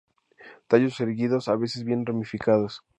Tallos erguidos, a veces bien ramificados.